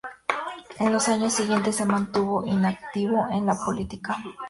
En los años siguientes se mantuvo inactivo en la política.